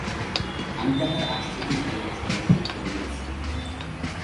আমি তাঁহার আশ্চর্য ভালবাসা অনুভব করিয়াছি।